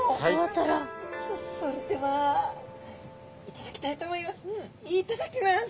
そそれでは頂きたいと思います。